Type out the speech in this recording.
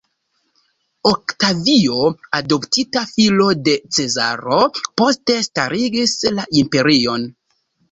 Oktavio, adoptita filo de Cezaro, poste starigis la imperion.